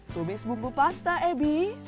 tubis bumbu pasta ebi